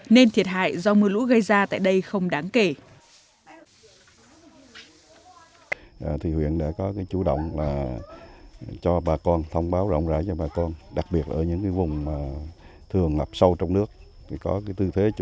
nên thiệt hại do mưa lũ gây ra tại đây không đáng kể